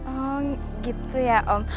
oh gitu ya om